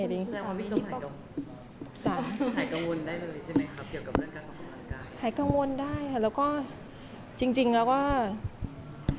คุณแจ้งว่าพี่จงหายกับหายกังวลได้ตรงนี้ใช่ไหมครับเกี่ยวกับเรื่องการปกป้องการ